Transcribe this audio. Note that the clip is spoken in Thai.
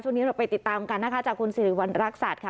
ช่วงนี้เราไปติดตามกันนะคะจากคุณศิริริวัณฑ์รักษาดค่ะ